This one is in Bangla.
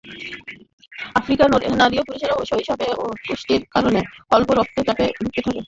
আফ্রিকার নারী ও পুরুষেরা শৈশবে অপুষ্টির কারণে উচ্চ রক্তচাপে ভুগতে পারে।